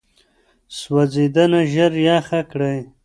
سوځېدنه ژر یخه کړئ.